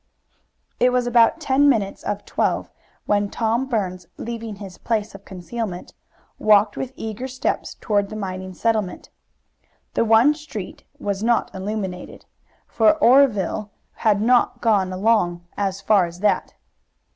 It was about ten minutes of twelve when Tom Burns, leaving his place of concealment, walked with eager steps toward the mining settlement. The one street was not illuminated, for Oreville had not got along as far as that.